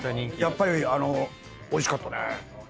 やっぱりおいしかったね。